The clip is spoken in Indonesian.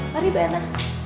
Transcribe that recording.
mari bu erna